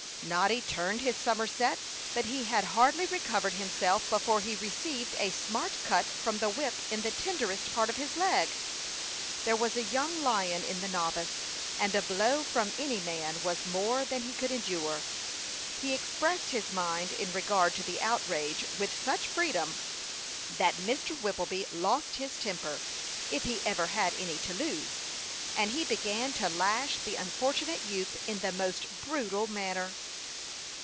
Noddy turned his somerset; but he had hardly recovered himself before he received a smart cut from the whip in the tenderest part of his leg. There was a young lion in the novice, and a blow from any man was more than he could endure. He expressed his mind in regard to the outrage with such freedom, that Mr. Whippleby lost his temper, if he ever had any to lose, and he began to lash the unfortunate youth in the most brutal manner.